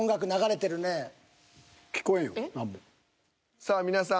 さあ皆さん。